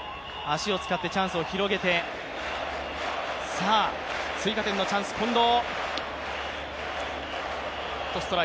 足を使ってチャンスを広げて、さぁ、追加点のチャンス、近藤。